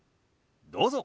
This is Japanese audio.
どうぞ。